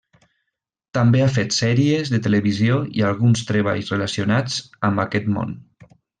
També ha fet sèries de televisió i alguns treballs relacionats amb aquest món.